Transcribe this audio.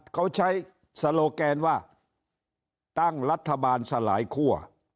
เขาใช้สโลแกนว่าตั้งรัฐบาลสลายคั่ว